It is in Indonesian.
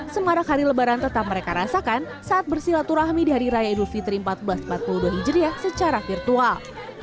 semarak hari lebaran tetap mereka rasakan saat bersilaturahmi di hari raya idul fitri seribu empat ratus empat puluh dua hijriah secara virtual